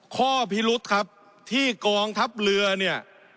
ข้อพิรุษครับที่กองทัพเรือเนี่ย